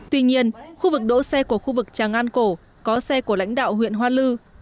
tuy nhiên khu vực đỗ xe của khu vực tràng an cổ có xe của lãnh đạo huyện hoa lư